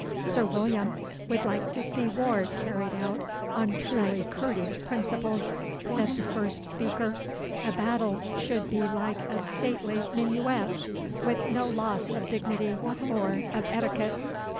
'Sir William would like to see war carried out on truly courteous principles,' said the first speaker. 'A battle should be like a stately minuet, with no loss of dignity or of etiquette.